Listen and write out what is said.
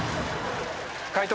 解答